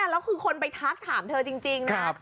แล้วคือคนไปทักถามเธอจริงนะครับ